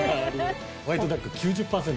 ホワイトダック９０％